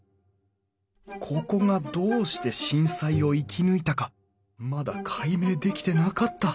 ここがどうして震災を生き抜いたかまだ解明できてなかった！